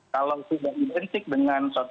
kalau tidak identifikan